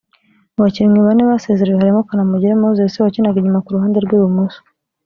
Mu bakinnyi bane basezerewe harimo Kanamugire Moses wakinaga inyuma ku ruhande rw’ibumoso